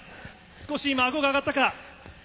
少しあごが上がったか。